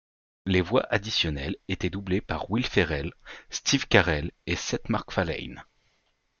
Les voix additionnelles étaient doublées par Will Ferrell, Steve Carell et Seth MacFarlane.